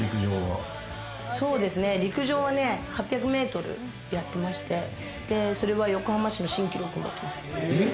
陸上は８００メートルやってまして、それは横浜市の新記録持ってます。